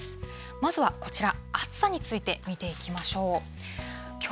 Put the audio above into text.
まずはこちら、暑さについて見ていきましょう。